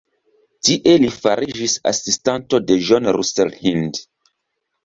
Tie li fariĝis asistanto de John Russell Hind.